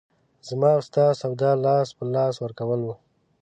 زما او ستا سودا لاس په لاس ورکول وو.